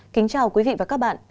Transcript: kính chào quý vị và các bạn